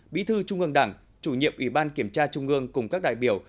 bí thư trung ương đảng chủ nhiệm ủy ban kiểm tra trung ương cùng các đại biểu